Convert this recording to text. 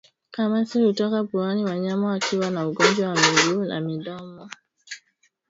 Makamasi hutoka puani wanyama wakiwa na ugonjwa wa miguu na midomo